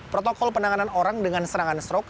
protokol penanganan orang dengan serangan stroke